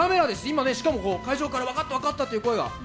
今ねしかも会場から分かった分かったという声が。